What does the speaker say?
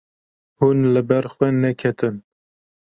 Hûn li ber xwe neketin.